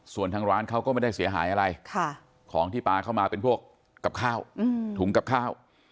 ส่วนทางร้านเขาก็ไม่ได้เสียหายอะไรของที่ปลาเข้ามาเป็นพวกกับข้าวถุงกับข้าว